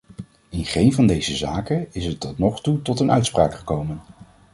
In geen van deze zaken is het tot nog toe tot een uitspraak gekomen.